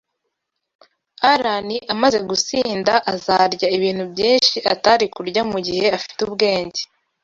Alain amaze gusinda, azarya ibintu byinshi atari kurya mugihe afite ubwenge.